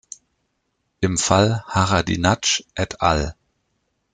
Im Fall Haradinaj et al.